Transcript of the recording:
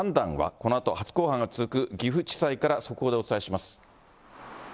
このあと、初公判が続く岐阜地裁から速報でお伝えします。